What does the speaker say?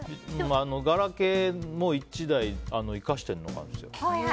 ガラケーも１台生かしてるのがあるんですよ。